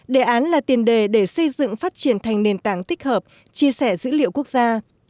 đề án là tiền đề để xây dựng phát triển thành nền tảng tích hợp chia sẻ dữ liệu quốc gia